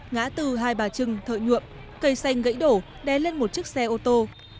ngã tư hai bà trưng thợ nhuộm cây xanh gãy đổ đe lên một chiếc xe ô tô